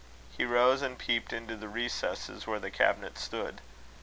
He rose, and peeped into the recess where the cabinet stood.